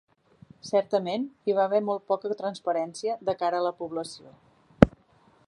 Certament, hi va haver molt poca transparència de cara a la població.